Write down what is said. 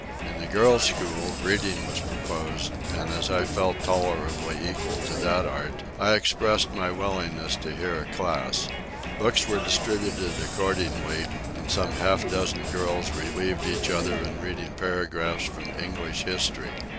In the girls' school, reading was proposed; and as I felt tolerably equal to that art, I expressed my willingness to hear a class. Books were distributed accordingly, and some half dozen girls relieved each other in reading paragraphs from English History.